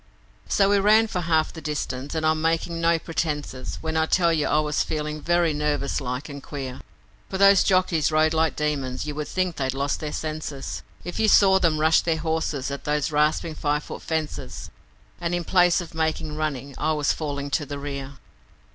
So we ran for half the distance, and I'm making no pretences When I tell you I was feeling very nervous like and queer, For those jockeys rode like demons; you would think they'd lost their senses If you saw them rush their horses at those rasping five foot fences And in place of making running I was falling to the rear.